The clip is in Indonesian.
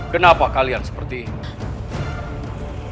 kenapa kalian seperti ini